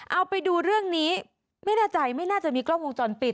เอาไปดูเรื่องนี้ไม่แน่ใจไม่น่าจะมีกล้องวงจรปิด